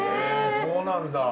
そうなんだ。